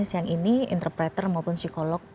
siang ini interpreter maupun psikolog